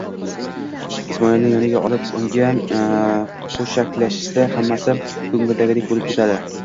Ismoilni yoniga olib, unga qo'maklashsa, hammasi ko'ngildagidek bo'lib ketadi.